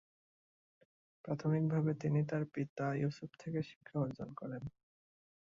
প্রাথমিকভাবে তিনি তার পিতা ইউসুফ থেকে শিক্ষা অর্জন করেন।